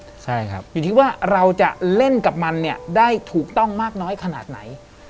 อยู่ที่ว่าเราจะเล่นกับมันได้ถูกต้องมากน้อยขนาดไหน